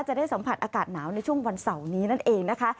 จะได้สัมผัสอากาศหนาวในช่วงวันเสาร์นี้นั่นเองนะคะ